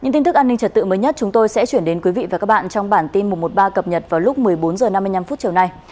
những tin tức an ninh trật tự mới nhất chúng tôi sẽ chuyển đến quý vị và các bạn trong bản tin một trăm một mươi ba cập nhật vào lúc một mươi bốn h năm mươi năm chiều nay